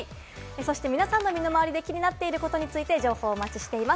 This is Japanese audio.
そして皆さんの身の回りで気になってることについて情報、お待ちしています。